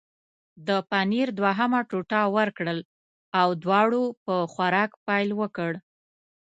د پنیر دوهمه ټوټه ورکړل او دواړو په خوراک پیل وکړ.